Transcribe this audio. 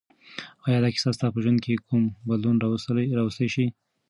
آیا دا کیسه ستا په ژوند کې کوم بدلون راوستی شي؟